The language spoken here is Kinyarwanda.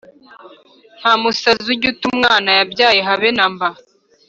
nta musazi ujya uta umwna yabyaye habe namba